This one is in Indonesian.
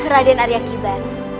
raden arya kiban